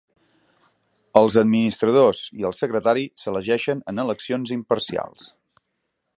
Els administradors i el secretari s'elegeixen en eleccions imparcials.